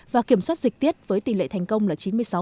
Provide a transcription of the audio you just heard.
và kiểm soát dịch tiết với tỷ lệ thành công là chín mươi sáu